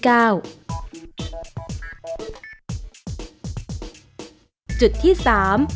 จุดที่๓รวมภาพธนบัตรที่ระลึกรัชสมัยรัชกาลที่๙